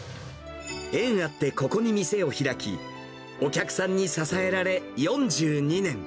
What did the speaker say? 縁あってここに店を開き、お客さんに支えられ４２年。